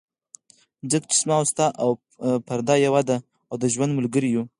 ځکه چې زما او ستا پرده یوه ده، او د ژوند ملګري یو.